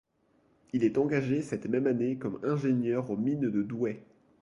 Il est engagé cette même année comme ingénieur aux mines de Douai.